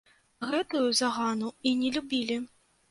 Гэтую загану і не любілі.